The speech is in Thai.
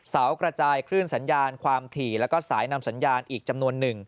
เสากระจายคลื่นสัญญาณความถี่แล้วก็สายนำสัญญาณอีกจำนวนหนึ่ง